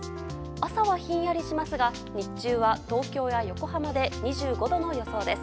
朝はひんやりしますが日中は、東京や横浜で２５度の予想です。